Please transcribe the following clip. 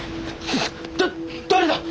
だ誰だっ